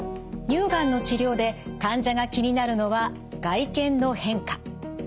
乳がんの治療で患者が気になるのは外見の変化。